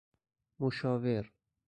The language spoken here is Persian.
مشاور